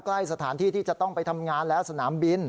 ใกล้สถานที่ที่จะต้องไปทำงานแล้วสนามบิน